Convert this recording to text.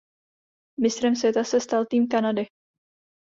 Mistrem světa se stal tým Kanady.